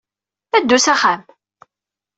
Ddu s axxam!